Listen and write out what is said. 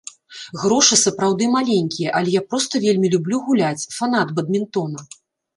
Грошы сапраўды маленькія, але я проста вельмі люблю гуляць, фанат бадмінтона.